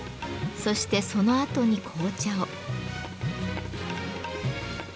そしてそのあとに紅茶を。